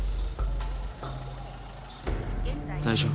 大丈夫？